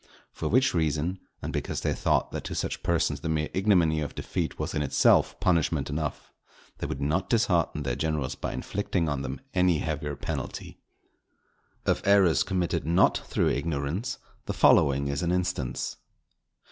For which reason, and because they thought that to such persons the mere ignominy of defeat was in itself punishment enough, they would not dishearten their generals by inflicting on them any heavier penalty. Of errors committed not through ignorance, the following is an instance.